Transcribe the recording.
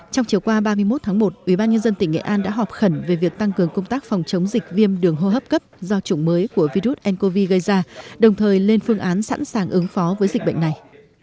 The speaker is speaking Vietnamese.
trong chiều qua ba mươi một tháng một ubnd tỉnh nghệ an đã họp khẩn về việc tăng cường công tác phòng chống dịch viêm đường hô hấp cấp do chủng mới của virus ncov gây ra đồng thời lên phương án sẵn sàng ứng phó với dịch bệnh này